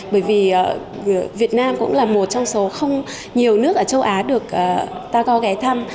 bởi vì việt nam cũng là một trong số không nhiều nước ở châu á được taco ghé thăm